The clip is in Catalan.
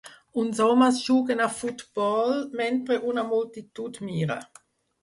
Uns homes juguen a futbol mentre una multitud mira.